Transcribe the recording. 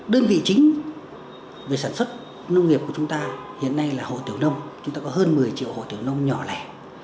đơn vị chính về sản xuất nông nghiệp của chúng ta hiện nay là hồ tiểu nông chúng ta có hơn một mươi triệu hồ tiểu nông nhỏ lẻ